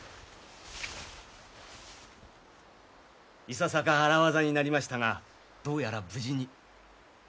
いささか荒業になりましたがどうやら無事に。